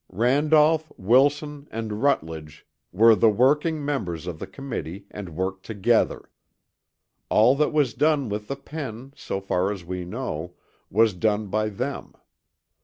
Randolph, Wilson and Rutledge were the working members of the Committee and worked together. All that was done with the pen, so far as we know, was done by them.